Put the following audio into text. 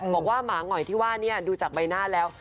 บอกว่าหมาเหง่อยที่ว่านี่ดูจากใบหน้าแล้ว